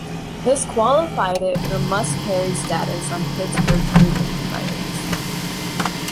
This qualified it for "must-carry" status on Pittsburgh cable providers.